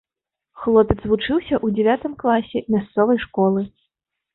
Хлопец вучыўся ў дзявятым класе мясцовай школы.